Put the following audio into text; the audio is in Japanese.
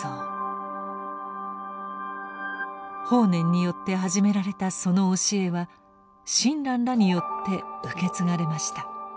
法然によって始められたその教えは親鸞らによって受け継がれました。